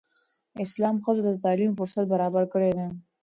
اسلام ښځو ته د تعلیم فرصت برابر کړی دی.